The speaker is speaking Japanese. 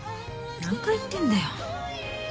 何回言ってんだよ。